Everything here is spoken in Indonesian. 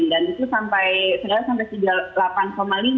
dan itu sampai tiga puluh delapan lima tiga puluh delapan tujuh gitu demamnya